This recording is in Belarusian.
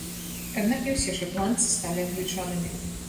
Аднак не ўсе шатландцы сталі англічанамі.